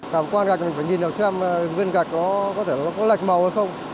cảm quan gạch mình phải nhìn được xem viên gạch có lệch màu hay không